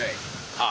ああ。